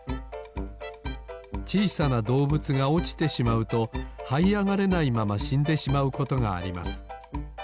ちいさなどうぶつがおちてしまうとはいあがれないまましんでしまうことがあります。